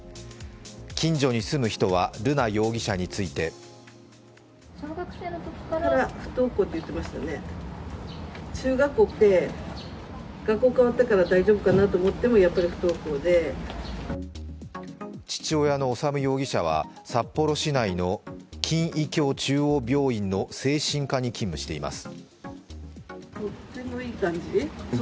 近所に住む人は瑠奈容疑者について父親の修容疑者は札幌市内の勤医協中央病院の精神科に勤務しています。